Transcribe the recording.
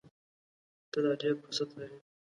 ته لا ډېر فرصت لرې !